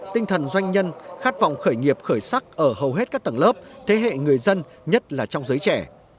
tinh thần doanh nhân khát vọng khởi nghiệp khởi sắc ở hầu hết các tầng lớp thế hệ người dân nhất là trong giới trẻ